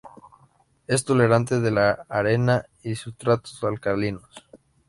Es tolerante de la arena y sustratos alcalinos.